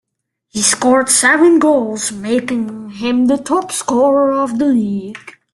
He scored seven goals, making him the top-scorer of the league.